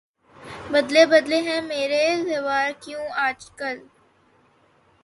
بدلے بدلے ہیں میرے تیور کیوں آج کل